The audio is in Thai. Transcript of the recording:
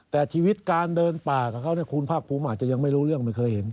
แต่ชีวิตการเดินป่ากับเขาคุณภาคภูมิอาจจะยังไม่รู้เรื่องไม่เคยเห็น